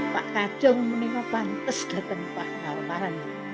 pak kacung ini memang sebaiknya datang ke pak kacung